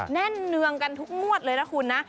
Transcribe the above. แน่นเนืองกันทุกงวดเลยนะคุณนะ